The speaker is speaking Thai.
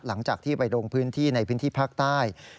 หลังจากที่ไปลงพื้นที่ในพื้นที่ภาคใต้